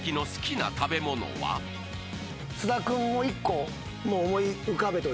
菅田君も１個思い浮かべといてくださいね。